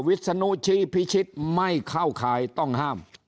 วิศนุชี้พิชิตไม่เข้าข่ายต้องห้าม